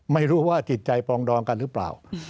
ไม่รู้ว่าจิตใจปรองดองกันหรือเปล่า